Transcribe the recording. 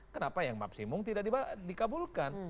kenapa yang maksimum tidak dikabulkan